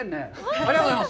ありがとうございます。